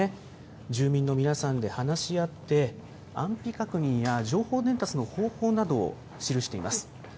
住民の皆さんで話し合って、安否確認や情報伝達の方法などを記しています。